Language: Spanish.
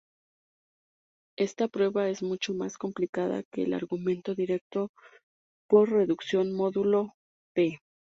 Esta prueba es mucho más complicada que el argumento directo por reducción módulo "p".